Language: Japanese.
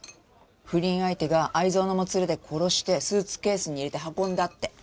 不倫相手が愛憎のもつれで殺してスーツケースに入れて運んだって。